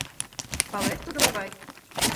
Палет, тудо могай?